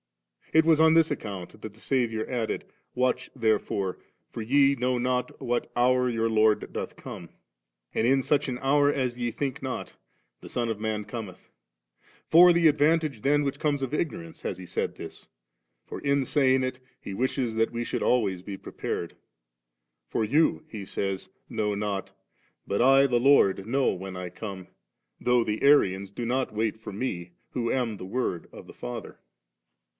It was on this account that the Saviour added, * Watch therefore, for ye know not what hour your Lord doth come ;* and, * In such an hour as ye think not, the Son of man cometh^.* For the advantage then which comes of ignorance has He said this; for in saying it. He wishes that we should always be prepared ; *for you,' He sa3rs, 'know not; but I, the Lord, know when I come, though the Arians do not wait for Me, who am the Word of the Father.'